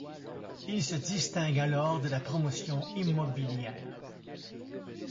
Il se distingue alors de la promotion immobilière.